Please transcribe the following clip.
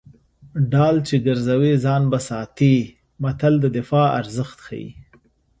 ډال چې ګرځوي ځان به ساتي متل د دفاع ارزښت ښيي